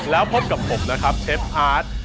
แล้วพบกับผมนะครับเชฟอาร์ต